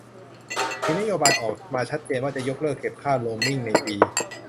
มีนโยบายออกมาชัดเจนว่าจะยกเลิกเก็บค่าโรมมิ่งในปี